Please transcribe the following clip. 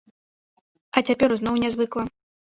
А цяпер зноў нязвыкла.